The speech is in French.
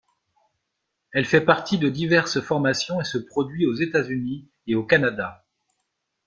Elle fait partie de diverses formations et se produit aux États-Unis et au Canada.